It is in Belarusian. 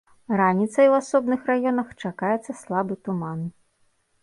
Раніцай у асобных раёнах чакаецца слабы туман.